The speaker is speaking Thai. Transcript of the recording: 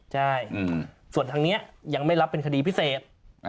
ใช่ส่วนทางนี้ยังไม่รับเป็นคดีพิเศษ